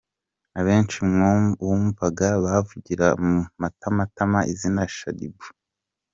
Abenshi wumvaga bavugira mu matamatama izina ‘Shaddy Boo’.